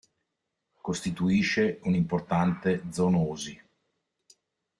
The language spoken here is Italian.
Costituisce un'importante zoonosi.